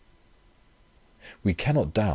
" Cannot die